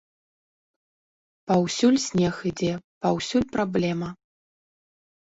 Паўсюль снег ідзе, паўсюль праблема.